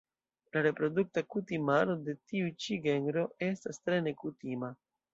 La reprodukta kutimaro de tiu ĉi genro estas tre nekutima.